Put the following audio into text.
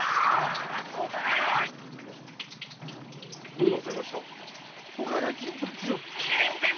どうなさいました？